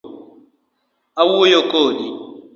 Awuoyo kodi .